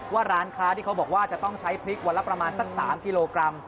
ว่าร้านค้าที่เขาบอกว่าจะต้องใช้พริกวันละประมาณสัก๓กิโลกรัม